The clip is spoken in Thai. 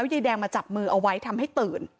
ไยแดงจะมาจับมือให้ตื่น